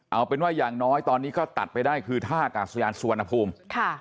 เอาเป็นว่าอย่างน้อยตอนนี้ก็ตัดไปได้คือท่ากาศยานสุวรรณภูมิค่ะ